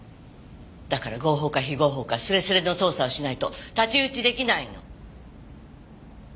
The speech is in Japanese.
だから合法か非合法かスレスレの捜査をしないと太刀打ち出来ないの。